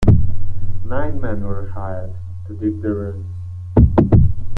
Nine men were hired to dig the ruins.